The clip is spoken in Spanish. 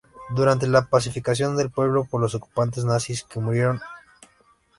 Durante la pacificación del pueblo por los ocupantes nazis que murieron m.in:.